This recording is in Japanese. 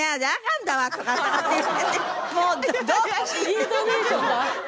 イントネーションが。